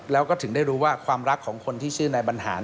แล้วก็ถึงได้รู้ว่าความรักของคนที่ชื่อนายบรรหาร